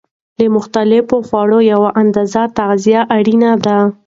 له مختلفو خوړو یوه اندازه تغذیه اړینه ده.